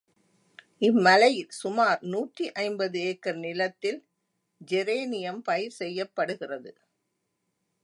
இம்மலையில் சுமார் நூற்றி ஐம்பது ஏக்கர் நிலத்தில் ஜெரேனியம் பயிர் செய்யப்படுகிறது.